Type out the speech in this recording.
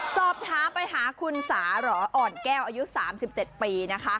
สอบถามไปหาคุณสาหรออ่อนแก้วอายุ๓๗ปีนะคะ